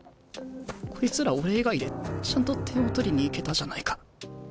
こいつら俺以外でちゃんと点を取りに行けたじゃないか。